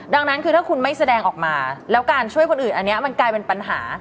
ดังนั้นคือถ้าคุณไม่แสดงออกมาแล้วการช่วยคนอื่นอันนี้มันกลายเป็นปัญหา